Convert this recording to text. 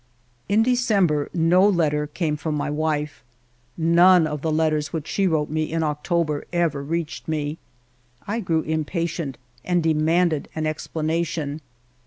In December no letter came from my wife. None of the letters which she wrote me in Oc tober ever reached me. I grew impatient and demanded an explanation.